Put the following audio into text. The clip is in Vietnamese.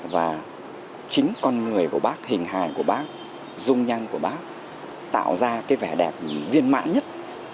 và chính con người của bác hình hài của bác dung nhăn của bác tạo ra cái vẻ đẹp viên mãn nhất